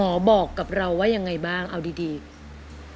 แล้วตอนนี้พี่พากลับไปในสามีออกจากโรงพยาบาลแล้วแล้วตอนนี้จะมาถ่ายรายการ